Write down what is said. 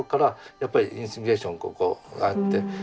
やっぱりインスピレーションここがあってあっ